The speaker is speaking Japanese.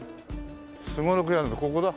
すごろくやここだ。